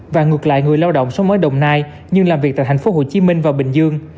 và ngược lại người lao động sống ở đồng nai nhưng làm việc tại thành phố hồ chí minh và bình dương